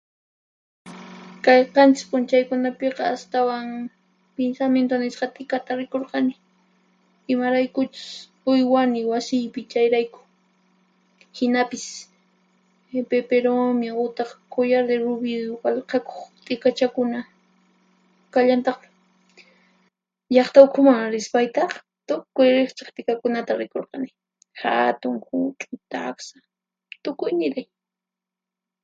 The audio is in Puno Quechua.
Kay qanchis p'unchaykunapiqa astawan pinsamintu nisqa t'ikata rikurqani, imaraykuchus uywani wasiypi chayrayku. Hinapis peperomia utaq collar de rubí walqhakuq t'ikachakuna kallantaqmi. Llaqta ukhuman rispaytaq, tukuy riqch'aq t'ikakunata rikurqani: hatun, huch'uy, taqsa tukuyniray.